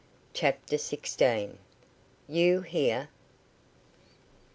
CHAPTER SIXTEEN. "YOU HERE!"